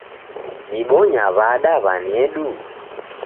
Dibonya w'ada w'anedu?